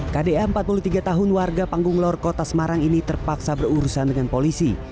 kda empat puluh tiga tahun warga panggung lor kota semarang ini terpaksa berurusan dengan polisi